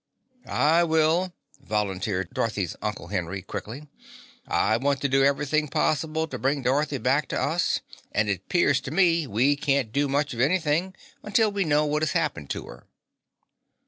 "I will," volunteered Dorothy's Uncle Henry quickly. "I want to do everything possible to bring Dorothy back to us and it 'pears to me we can't do much of anything until we know what has happened to her."